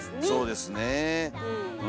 そうですねえ。